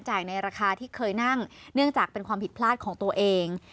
ในราคาที่เคยนั่งเนื่องจากเป็นความผิดพลาดของตัวเอง